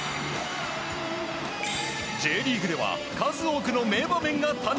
Ｊリーグでは数多くの名場面が誕生。